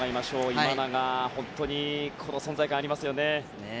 今永は本当に存在感がありますよね。